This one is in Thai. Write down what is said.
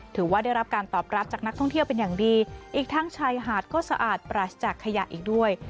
ถือว่าได้รับการตอบรับจากนักท่องเที่ยวเป็นอย่างดีอีกทั้งชายหาดก็สะอาดปราศจากขยะอีกด้วย